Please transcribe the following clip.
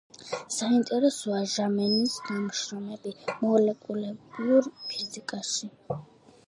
საინტერესოა ჟამენის ნაშრომები მოლეკულურ ფიზიკაში.